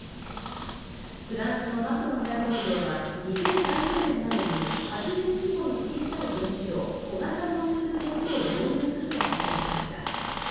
フランスのマクロン大統領は２０３０年までに発電規模の小さい原子炉、小型モジュール原子炉を導入すると発表しました。